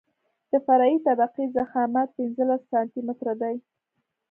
د فرعي طبقې ضخامت پنځلس سانتي متره دی